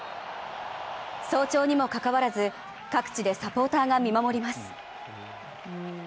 早朝にもかかわらず、各地でサポーターが見守ります。